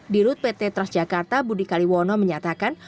di rut pt transjakarta budi kaliwono menyatakan